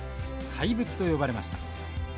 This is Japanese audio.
怪物と呼ばれました。